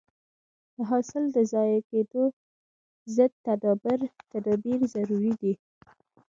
د حاصل د ضایع کېدو ضد تدابیر ضروري دي.